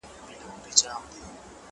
بهار به راسي خو زه به نه یم ,